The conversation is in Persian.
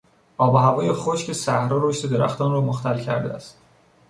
آب و هوای خشک صحرا رشد درختان را مختل کرده است.